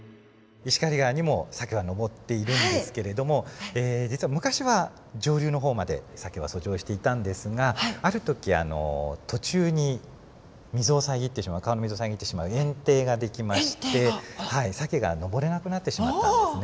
石狩川にもサケは上っているんですけれども実は昔は上流の方までサケは遡上していたんですがある時途中に水を遮ってしまう川の水を遮ってしまう堰堤が出来ましてサケが上れなくなってしまったんですね。